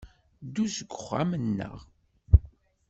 Ddu seg wexxam-nneɣ.